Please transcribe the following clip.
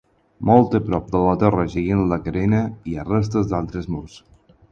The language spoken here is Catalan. Molt a prop de la torre, seguint la carena, hi ha restes d'altres murs.